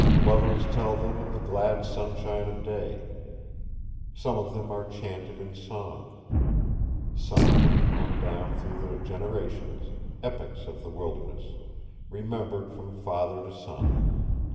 Lovers tell them in the glad sunshine of day. Some of them are chanted in song. Some of them come down through the generations, epics of the wilderness, remembered from father to son.